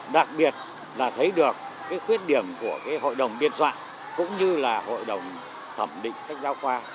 đặc biệt là thấy được khuyết điểm của hội đồng biên soạn cũng như là hội đồng thẩm định sách giáo khoa